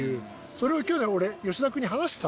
それを去年俺吉田君に話してたんです。